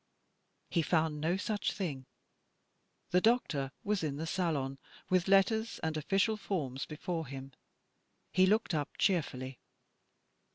He found no such thing. The doctor was in the salon, with letters and official forms before him. He looked up cheerfully.